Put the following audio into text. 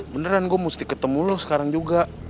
beneran gue mesti ketemu lo sekarang juga